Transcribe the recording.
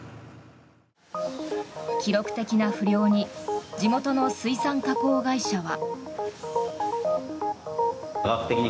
記録的な不漁に地元の水産加工会社は。